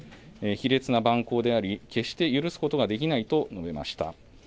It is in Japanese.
卑劣な蛮行であり、決して許すことができないと述べました。